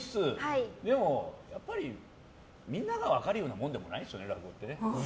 でも、みんなが分かるようなものでもないですよね、落語って。